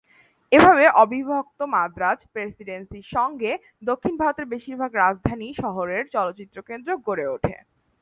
এভাবে, অবিভক্ত মাদ্রাজ প্রেসিডেন্সির সঙ্গে, দক্ষিণ ভারতের বেশির ভাগ রাজধানী শহরে চলচ্চিত্র কেন্দ্র গড়ে ওঠে।